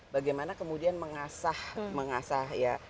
bagaimana kemudian mengasah